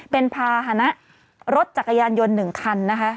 เป็นภาษณะรถจักรยานยนต์๑คันนะคะ